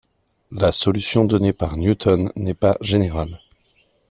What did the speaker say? La solution donnée par Newton n'est pas générale.